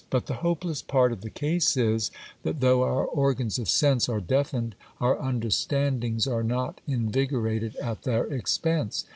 But the hopeless part of the case is, that though our organs of sense are deafened, our understandings are not invigor ated at their expense.